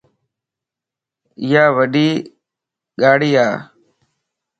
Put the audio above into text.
ايا وڊي ڳاڙي ا